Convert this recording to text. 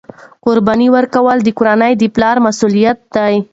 قرباني ورکول د کورنۍ د پلار مسؤلیت دی.